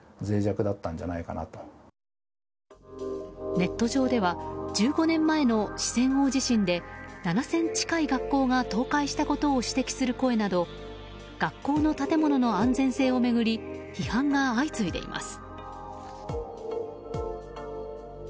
ネット上では１５年前の四川大地震で７０００近い学校が倒壊したことを指摘する声など学校の建物の安全性を巡り批判が相次いでいます。